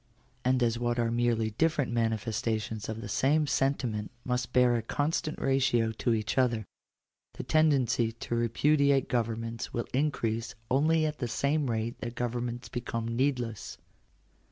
And as what are merely different manifestations of the same sentiment must bear a constant ratio to each other, the tendency to repudiate governments will increase only at the same rate that governments become needless.